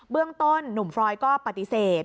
เรื่องต้นหนุ่มฟรอยก็ปฏิเสธ